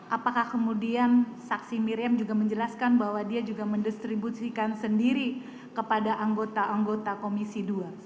apakah kemudian saksi miriam juga menjelaskan bahwa dia juga mendistribusikan sendiri kepada anggota anggota komisi dua